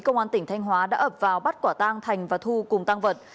công an tỉnh thanh hóa đã ập vào bắt quả tang thành và thu cùng tăng vật